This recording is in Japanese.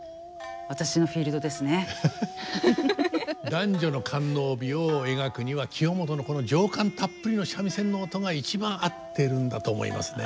男女の官能美を描くには清元のこの情感たっぷりの三味線の音が一番合ってるんだと思いますね。